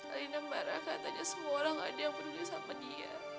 alina marah katanya semua orang gak ada yang peduli sama dia